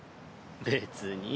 別に。